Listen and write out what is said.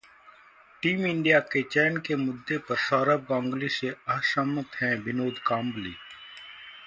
team India के चयन के मुद्दे पर सौरव गांगुली से असहमत हैं विनोद कांबली